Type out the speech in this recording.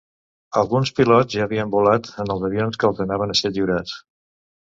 Alguns pilots ja havien volat en els avions que els anaven a ser lliurats.